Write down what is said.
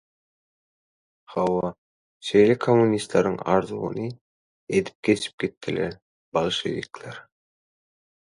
Hawa, şeýle kommunistleriň arzuwyny edip geçip gitdiler bolşewikler.